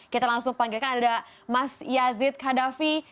kita langsung panggilkan ada mas yazid khadhafi